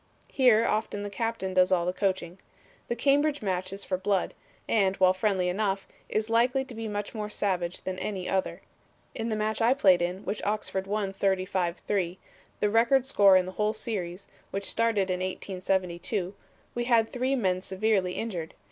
Here often the captain does all the coaching. The Cambridge match is for blood, and, while friendly enough, is likely to be much more savage than any other. In the match I played in, which Oxford won 35 3, the record score in the whole series, which started in 1872, we had three men severely injured.